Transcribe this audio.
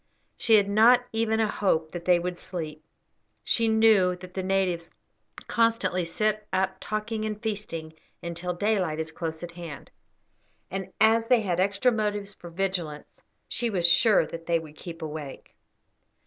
She had not even a hope that they would sleep. She knew that the natives constantly sit up talking and feasting until daylight is close at hand; and as they had extra motives for vigilance, she was sure that they would keep awake.